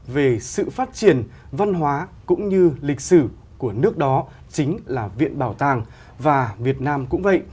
về sự phát triển văn hóa cũng như lịch sử của nước đó chính là viện bảo tàng và việt nam cũng vậy